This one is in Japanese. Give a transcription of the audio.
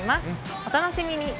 お楽しみに。